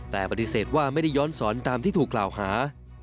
แต่ปฏิเสธว่าไม่ได้ย้อนสอนตามที่ถูกกล่าวหา